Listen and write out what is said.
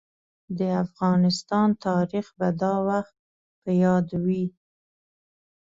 د افغانستان تاريخ به دا وخت په ياد وي.